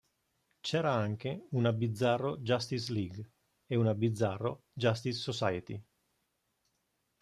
C'era anche una Bizzarro-Justice League e una Bizzarro-Justice Society.